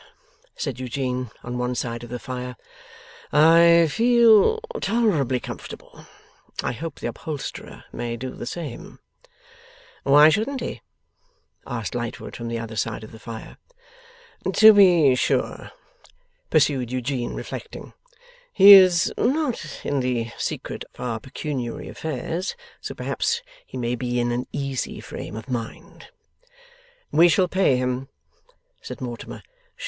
said Eugene, on one side of the fire, 'I feel tolerably comfortable. I hope the upholsterer may do the same.' 'Why shouldn't he?' asked Lightwood, from the other side of the fire. 'To be sure,' pursued Eugene, reflecting, 'he is not in the secret of our pecuniary affairs, so perhaps he may be in an easy frame of mind.' 'We shall pay him,' said Mortimer.